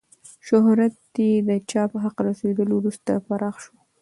شهرت یې د چاپ حق پای ته رسېدو وروسته پراخ شو.